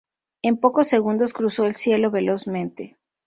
En pocos segundos cruzó el cielo velozmente.